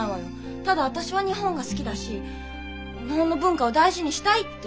ただ私は日本が好きだし日本の文化を大事にしたいって。